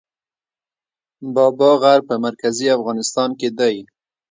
بابا غر په مرکزي افغانستان کې دی